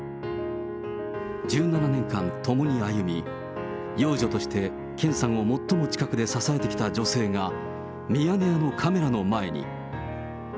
１７年間共に歩み、養女として、健さんを最も近くで支えてきた女性が、ミヤネ屋のカメラの前に。